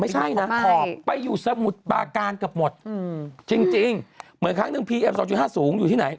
ไม่ใช่นะขอบไปอยู่สมุทรปาการเกือบหมดจริงเหมือนครั้งหนึ่งพีเอ็ม๒๕สูงอยู่ที่ไหน